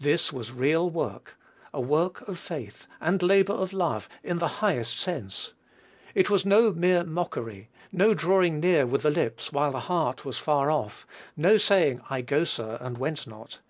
This was real work, "a work of faith and labor of love," in the highest sense. It was no mere mockery no drawing near with the lips, while the heart was far off no saying, "I go, sir, and went not."